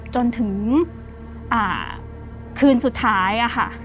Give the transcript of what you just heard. จนถึงคืนสุดท้ายค่ะ